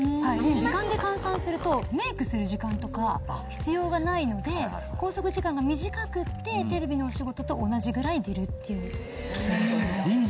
時間で換算するとメイクする時間とか必要がないので拘束時間が短くってテレビのお仕事と同じぐらい出るっていうふうに聞きますね。